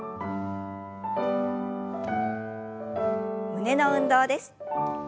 胸の運動です。